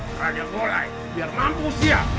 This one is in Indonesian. biar mampus dia